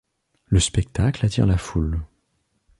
Le spectacle attire la foule.